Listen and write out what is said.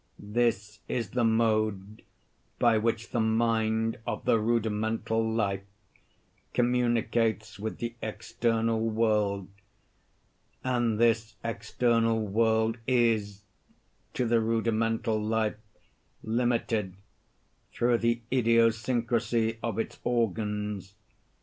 This is the mode by which the mind of the rudimental life communicates with the external world; and this external world is, to the rudimental life, limited, through the idiosyncrasy of its organs.